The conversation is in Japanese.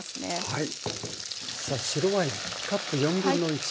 はい。